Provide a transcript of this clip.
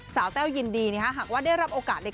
สาวแต้วยินดีหากว่าได้รับโอกาส